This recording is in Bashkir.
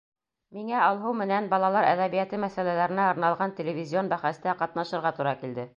Миңә Алһыу менән балалар әҙәбиәте мәсьәләләренә арналған телевизион бәхәстә ҡатнашырға тура килде.